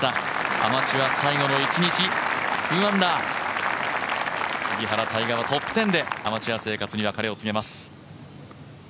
アマチュア最後の一日、２アンダー杉原大河はトップ１０でアマチュア生活に別れを告げます。